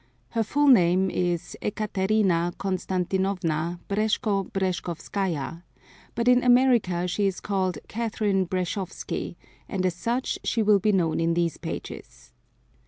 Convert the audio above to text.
Her full name is Ekaterina Constantinovna Breshko Breshkovskaya, but in America she is called Catherine Breshkovsky, and as such she will be known in these pages.